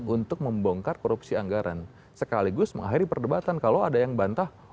untuk membongkar korupsi anggaran sekaligus mengakhiri perdebatan kalau ada yang bantah